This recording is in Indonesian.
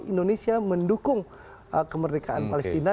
indonesia mendukung kemerdekaan palestina